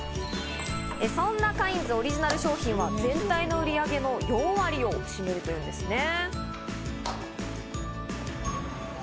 そんなカインズオリジナル商品は、全体の売り上げの４割を占めるというんですね。